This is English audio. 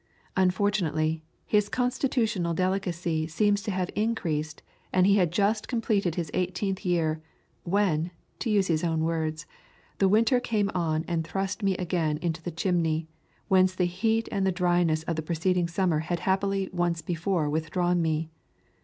Unfortunately, his constitutional delicacy seems to have increased, and he had just completed his eighteenth year, "when," to use his own words, "the winter came on and thrust me again into the chimney, whence the heat and the dryness of the preceding summer had happily once before withdrawn me.